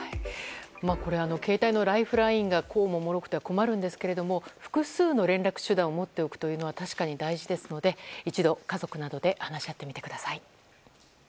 携帯のライフラインがこうももろくては困るんですが複数の連絡手段を持っておくのは確かに大事ですので一度、家族などで話し合ってみてください。